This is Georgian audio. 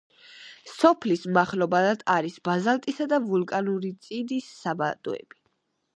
სოფლის მახლობლად არის ბაზალტისა და ვულკანური წიდის საბადოები.